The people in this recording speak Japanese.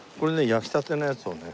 焼きたてのやつをね